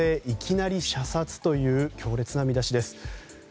いきなり射殺という強烈な見出しです。